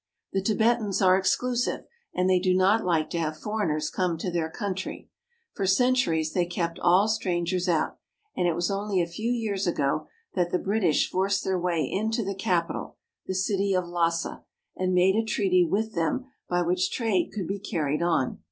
The Tibetans are exclu sive, and they do not like to have foreigners come to their country. For centuries they kept all strangers out, and it was only a few years ago that the British forced their way into the capital, the city of Lassa, and made a treaty with them by which trade could be carried on.